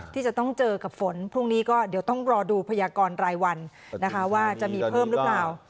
ที่จะต้องเจอกับฝนพรุ่งนี้ก็เดี๋ยวต้องรอดูพยากรรายวันนะคะว่าจะมีเพิ่มหรือเปล่า